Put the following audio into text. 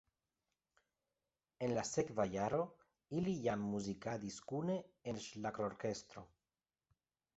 En la sekva jaro ili jam muzikadis kune en ŝlagrorkestro.